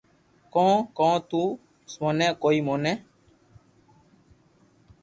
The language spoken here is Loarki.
ڪون ڪو تو تو موني ڪوئي ني